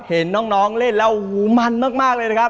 เห็นน้องเล่นแล้วโอ้โหมันมากเลยนะครับ